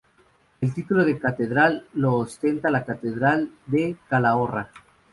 El título de catedral lo ostenta la catedral de Calahorra.